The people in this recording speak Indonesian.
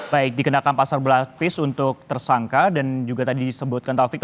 baik dikenakan pasar berlapis untuk tersangka dan juga tadi disebutkan taufik